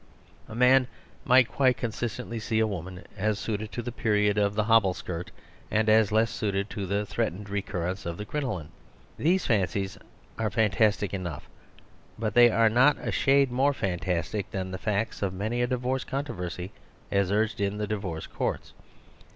A man might quite consistently see a woman as suited to the period of the hobble skirt, and as less suited to the threatened re currence of the crinoline. These fancies are fantastic enough, but they are not a shade more fantastic than the facts of many a divorce con troversy as urged in the divorce courts.